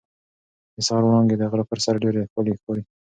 د سهار وړانګې د غره پر سر ډېرې ښکلې ښکاري.